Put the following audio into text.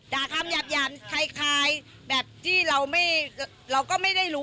คำหยาบหยามคล้ายแบบที่เราไม่เราก็ไม่ได้รู้